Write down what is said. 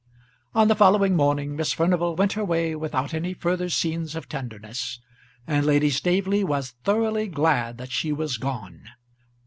On the following morning Miss Furnival went her way without any further scenes of tenderness, and Lady Staveley was thoroughly glad that she was gone.